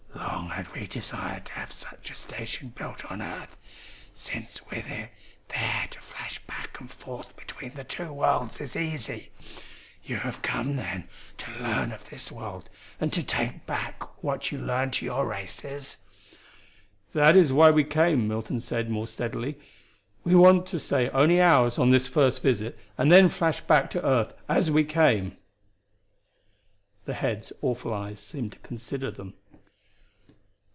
Long had we desired to have such a station built on earth, since with it there to flash back and forth between the two worlds is easy. You have come, then, to learn of this world and to take back what you learn to your races?" "That is why we came." Milton said, more steadily. "We want to stay only hours on this first visit, and then flash back to earth as we came." The head's awful eyes seemed to consider them.